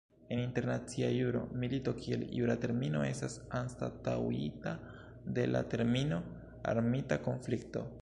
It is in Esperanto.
En internacia juro, milito kiel jura termino estas anstataŭita de la termino "armita konflikto".